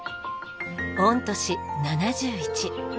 御年７１。